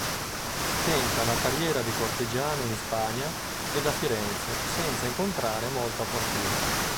Tenta la carriera di cortigiano in Spagna ed a Firenze, senza incontrare molta fortuna.